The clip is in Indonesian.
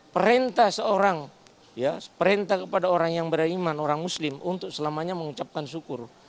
perintah seorang perintah kepada orang yang beriman orang muslim untuk selamanya mengucapkan syukur